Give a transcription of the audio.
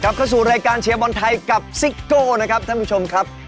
เข้าสู่รายการเชียร์บอลไทยกับซิโก้นะครับท่านผู้ชมครับ